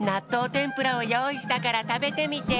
てんぷらをよういしたからたべてみて。